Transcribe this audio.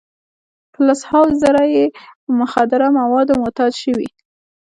په لس هاوو زره یې په مخدره موادو معتاد شوي.